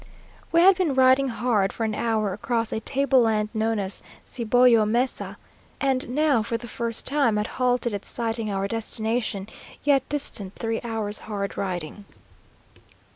We had been riding hard for an hour across a tableland known as Cibollo Mesa, and now for the first time had halted at sighting our destination, yet distant three hours' hard riding.